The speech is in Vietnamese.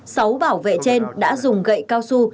sáu bảo vệ trên đã dùng gậy cao su